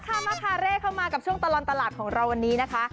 มาพาเร่เข้ามากับช่วงตลอดตลาดของเราวันนี้นะคะ